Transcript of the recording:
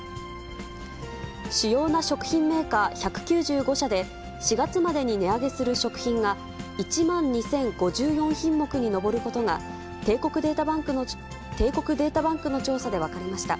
主要な食品メーカー１９５社で、４月までに値上げする食品が、１万２０５４品目に上ることが、帝国データバンクの調査で分かりました。